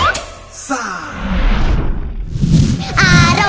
โมโฮโมโฮ